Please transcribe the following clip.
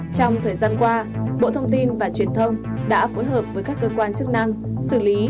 trong thời gian qua bộ thông tin và truyền thông đã phối hợp với các cơ quan chức năng xử lý